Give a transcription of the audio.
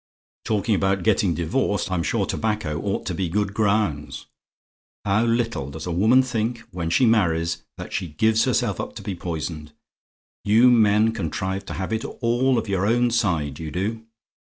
Talking about getting divorced, I'm sure tobacco ought to be good grounds. How little does a woman think, when she marries, that she gives herself up to be poisoned! You men contrive to have it all of your own side, you do.